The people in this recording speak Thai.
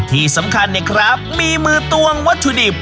ที่สำคัญเนี่ยครับมีมือตวงวัตถุดิบ